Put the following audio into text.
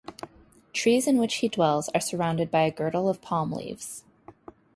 Trees in which he dwells are surrounded by a girdle of palm-leaves.